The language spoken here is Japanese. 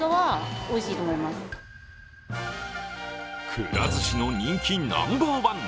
くら寿司の人気ナンバーワン